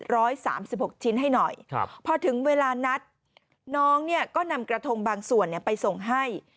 ร้อย๓๖ชิ้นให้หน่อยพอถึงเวลานัดน้องก็นำกระทงบางส่วนไปส่งให้